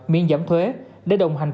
miễn giảm thuế để đồng hành